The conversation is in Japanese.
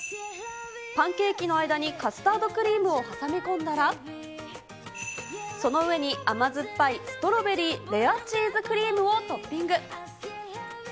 パンケーキの間にカスタードクリームを挟み込んだら、その上に甘酸っぱいストロベリーレアチーズクリームをトッピング。